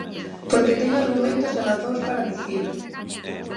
Porque teño argumentos e razóns para dicilo.